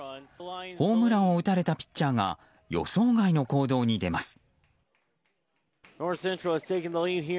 ホームランを打たれたピッチャーが予想外の行動に出ます。